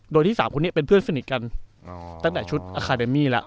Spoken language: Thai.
โดยที่๓คนนี้เป็นเพื่อนสนิทกันตั้งแต่ชุดอาคาเดมี่แล้ว